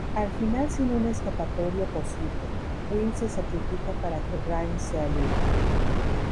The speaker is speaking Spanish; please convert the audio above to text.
Al final sin una escapatoria posible, Wynn se sacrifica para que Rains sea libre.